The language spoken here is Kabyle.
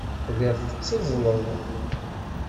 Telliḍ tetteẓẓleḍ.